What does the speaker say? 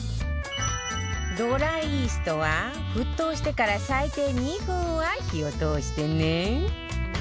ドライイーストは沸騰してから最低２分は火を通してね